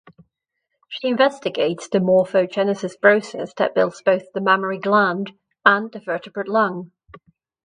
She investigates the morphogenesis process that builds both the mammary gland and vertebrate lung.